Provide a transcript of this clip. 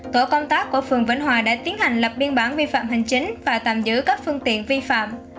tổ công tác của phường vĩnh hòa đã tiến hành lập biên bản vi phạm hành chính và tạm giữ các phương tiện vi phạm